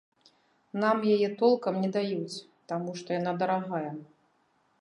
Нам яе толкам не даюць, таму што яна дарагая.